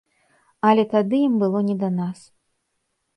Але тады ім было не да нас.